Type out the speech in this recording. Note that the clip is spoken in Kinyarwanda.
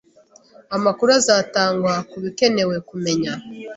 Amakuru azatangwa kubikenewe-kumenya.